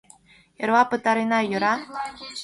Эрла пытарена, йӧра?..